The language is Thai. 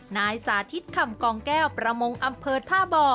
นายสาธิตคำกองแก้วประมงอำเภอท่าบ่อ